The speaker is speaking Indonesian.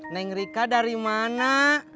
neng rika dari mana